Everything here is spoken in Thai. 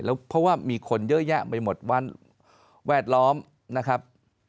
เพราะว่ามีคนเยอะแยะไปหมดวันแวดล้อมนะครับ